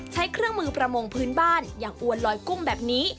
ใช้เครื่องมือประมงพื้นบ้านอย่างอวนลอยกุ้งแบบนี้